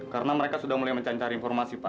karena mereka sudah mulai mencari informasi pak